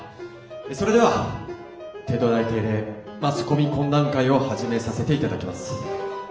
それでは帝都大定例マスコミ懇談会を始めさせていただきます。